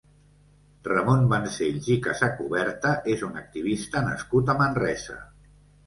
Ramon Vancells i Casacuberta és un activista nascut a Manresa.